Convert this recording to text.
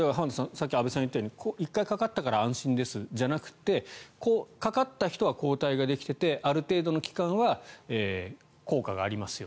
さっき安部さんが言ったように１回かかったから安心ですじゃなくてかかった人は抗体ができていてある程度の期間は効果がありますよ。